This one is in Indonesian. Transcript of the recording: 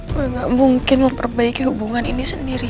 gue gak mungkin memperbaiki hubungan ini sendirian